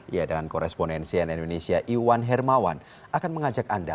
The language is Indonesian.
ya dengan koresponensian indonesia iwan hermawan akan mengajak anda